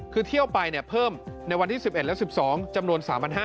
คือเที่ยวไปเพิ่มในวันที่๑๑และ๑๒จำนวน๓๕๐๐